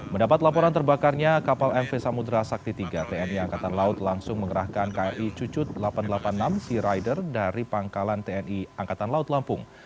mendapat laporan terbakarnya kapal mv samudera sakti tiga tni angkatan laut langsung mengerahkan kri cucut delapan ratus delapan puluh enam sea rider dari pangkalan tni angkatan laut lampung